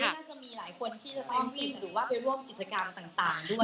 เริ่มต้นบรรยากาศด้วยภาพแห่งความตรงรักพักดีที่ประชาชนคนไทย